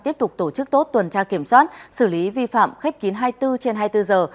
tiếp tục tổ chức tốt tuần tra kiểm soát xử lý vi phạm khép kín hai mươi bốn trên hai mươi bốn giờ